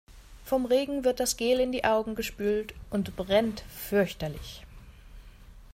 Vom Regen wird das Gel in die Augen gespült und brennt fürchterlich.